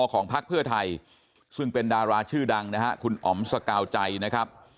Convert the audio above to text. พักเพื่อไทยซึ่งเป็นดาราชื่อดังนะฮะคุณอ๋อมสกาวใจนะครับ